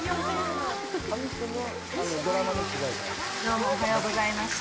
どうもおはようございました。